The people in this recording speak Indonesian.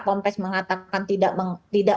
konfes mengatakan tidak